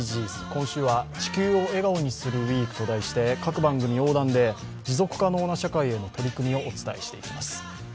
今週は「地球を笑顔にするＷＥＥＫ」と題して、各番組横断で持続可能な社会への取り組みをお伝えしてまいります。